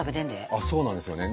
あっそうなんですよね。